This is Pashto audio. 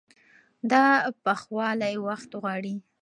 دا پخوالی وخت غواړي.